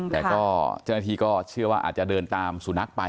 แต่ก็เจ้าหน้าที่ก็เชื่อว่าอาจจะเดินตามสุนัขไป